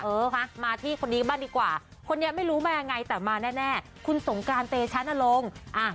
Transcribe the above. เออคะมาที่คนนี้บ้างดีกว่าคนนี้ไม่รู้มายังไงแต่มาแน่คุณสงการเตชะนรงค์